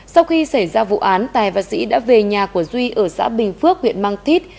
sau khi xảy ra vụ án tài và sĩ đã về nhà của duy ở xã bình phước huyện mang thít